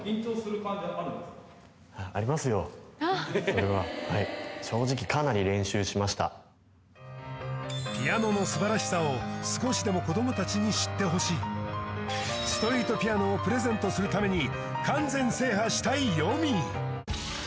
それははいピアノの素晴らしさを少しでも子ども達に知ってほしいストリートピアノをプレゼントするために完全制覇したいよみぃ